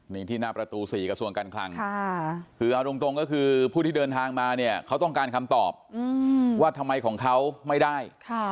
นี่ที่หน้าประตู๔กระทรวงการคลังคือเอาตรงก็คือผู้ที่เดินทางมาเนี่ยเขาต้องการคำตอบว่าทำไมของเขาไม่ได้